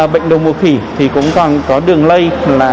bệnh đậu mùa khỉ thì cũng còn có đường lây